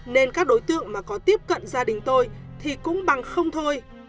nên các đối tượng mà có tiếp cận gia đình tôi thì cũng bằng không thôi